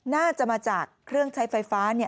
น่าจะมาจากเครื่องใช้ไฟฟ้า